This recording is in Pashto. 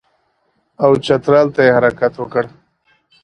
او چترال ته یې حرکت وکړ.